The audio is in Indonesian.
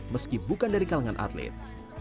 meski bukan dari kalangan atlet